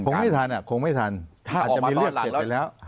คงไม่ทันคงไม่ทันอาจจะมีเลือกเสร็จไปแล้ว